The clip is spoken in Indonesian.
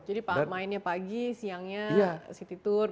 jadi mainnya pagi siangnya city tour